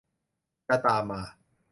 จะตามมา